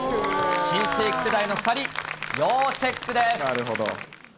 新世紀世代の２人、要チェックです。